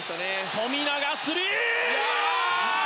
富永、スリー！